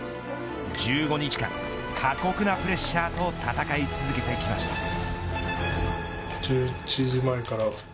１５日間、過酷なプレッシャーと戦い続けてきました。